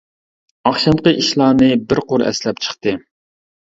ئاخشامقى ئىشلارنى بىر قۇر ئەسلەپ چىقتى.